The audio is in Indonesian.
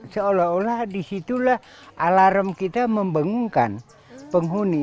seolah olah di situlah alarm kita membangunkan penghuni